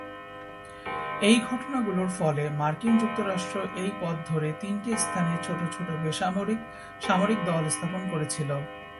এই ঘটনাগুলোর ফলে মার্কিন যুক্তরাষ্ট্র এই পথ ধরে তিনটি স্থানে ছোট ছোট বেসামরিক-সামরিক দল স্থাপন করেছিল।